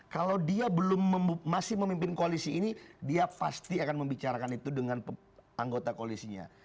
kalau dia masih memimpin koalisi ini dia pasti akan membicarakan itu dengan anggota koalisinya